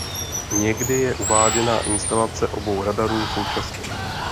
Někdy je uváděna instalace obou radarů současně.